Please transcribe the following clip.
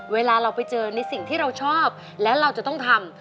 เวลาเราไปเจอในสิ่งที่เราชอบแล้วเราจะต้องทำ